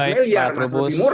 lebih murah itu